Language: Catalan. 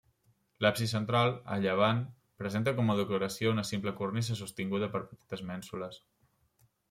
L'absis central, a llevant, presenta com a decoració una simple cornisa sostinguda per petites mènsules.